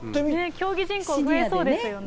競技人口増えそうですよね。